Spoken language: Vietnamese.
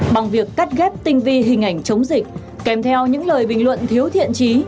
bằng việc cắt ghép tinh vi hình ảnh chống dịch kèm theo những lời bình luận thiếu thiện trí